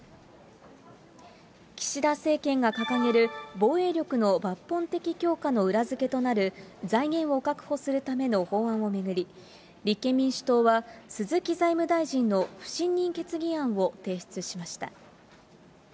岸田政権が掲げる防衛力の抜本的強化の裏付けとなる財源を確保するための法案を巡り、立憲民主党は鈴木財務大臣の不信任決議案を提出しました。